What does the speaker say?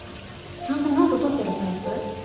ちゃんとノート取ってるタイプ？